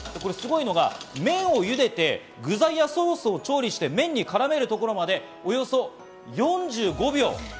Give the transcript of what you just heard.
すごいのが、麺をゆでて、具材やソースを調理して、麺にからめるところまでおよそ４５秒。